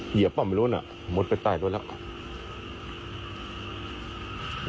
เหยียบออกไปรู้หน่อยมดไปใต้รถแล้ว